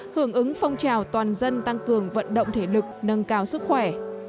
hưởng ứng phong trào toàn dân tăng cường vận động thể lực nâng cao sức khỏe